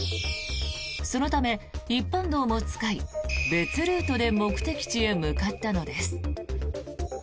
そのため一般道も使い別ルートで目的地へ向かったのです。